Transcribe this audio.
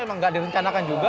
emang gak direncanakan juga